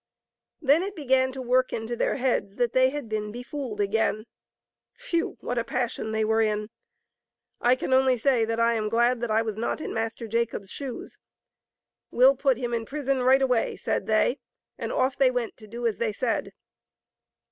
Then it began to work into their heads that they had been befooled again. Phew ! what a passion they were in. I can only say that I am glad that I was not in Master Jacob's shoes. "We'll put him in prison right away, said they, and off they went to do as they said.